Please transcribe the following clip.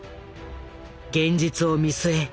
現実を見据え